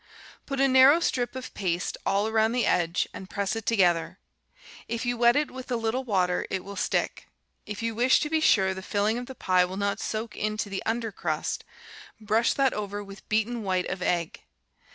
Put a narrow strip of paste all around the edge, and press it together; if you wet it with a little water it will stick. If you wish to be sure the filling of the pie will not soak into the under crust, brush that over with beaten white of egg.